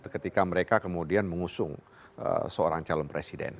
ketika mereka kemudian mengusung seorang calon presiden